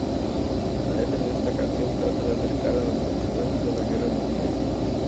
La letra de esta canción trata acerca de las consecuencias de una guerra nuclear.